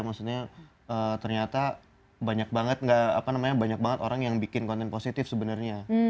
maksudnya ternyata banyak banget banyak banget orang yang bikin konten positif sebenarnya